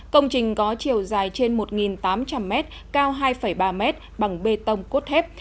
công trình có chiều dài trên một tám trăm linh m cao hai ba mét bằng bê tông cốt thép